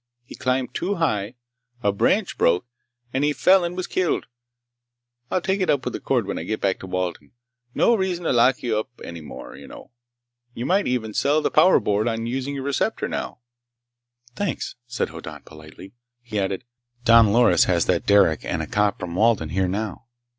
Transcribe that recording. He climbed too high, a branch broke, and he fell and was killed. I'll take it up with the court when I get back to Walden. No reason to lock you up any more, you know. You might even sell the Power Board on using your receptor, now!" "Thanks," said Hoddan politely. He added, "Don Loris has that Derec and a cop from Walden here now.